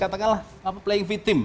katakanlah playing victim